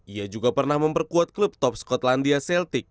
ia juga pernah memperkuat klub top skotlandia celtik